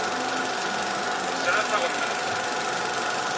Nesεa taɣennant.